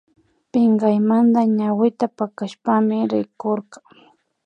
Pinkaymanta ñawita pakashpami rikurka